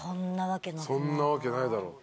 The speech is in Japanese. そんなわけないだろう。